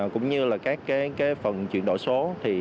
cũng như phần chuyển đổi số